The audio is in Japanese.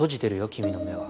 君の目は。